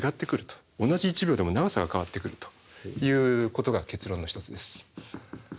同じ１秒でも長さが変わってくるということが結論の一つです。